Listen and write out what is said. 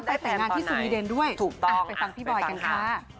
ไปฟังพี่บอยก่อนค่ะ